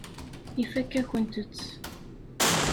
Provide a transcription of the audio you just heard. Ifakk-akent-t.